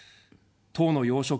党の要職。